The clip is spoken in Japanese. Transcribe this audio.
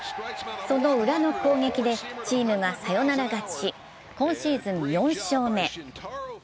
そのウラの攻撃でチームがサヨナラ勝ちし今シーズン４勝目。